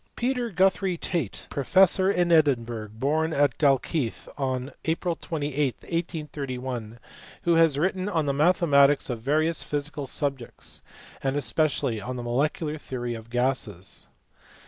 Peter Guthrie Tail, professor in Edinburgh, born at Dalkeith on April 28, 1831, who has written on the mathematics of various physical subjects, and especially on the molecular theory of gases.